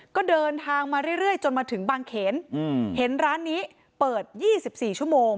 ก็เดินทางมาเรื่อยจนมาถึงบางเขนเห็นร้านนี้เปิด๒๔ชั่วโมง